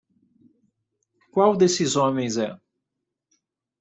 Qual desses homens é?